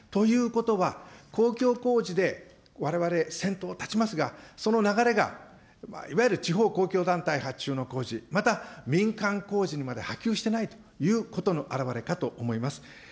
ということは、公共工事でわれわれ先頭に立ちますが、その流れがいわゆる地方公共団体発注の工事、また民間工事にまで波及していないということの表れかと思います。